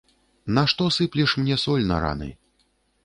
Нашто сыплеш мне соль на раны?